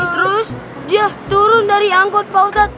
terus dia turun dari angkot pak ustadz